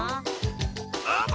あ？